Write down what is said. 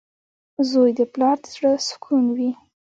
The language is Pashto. • زوی د پلار د زړۀ سکون وي.